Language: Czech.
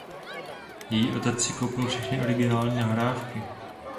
Její otec si koupil všechny originální nahrávky.